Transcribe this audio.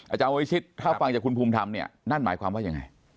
อาจารย์วิชิตถ้าฟังจากคุณภูมิธรรมเนี่ยนั่นหมายความว่ายังไง